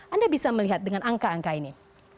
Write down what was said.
anda bisa melihat dengan angka angka ini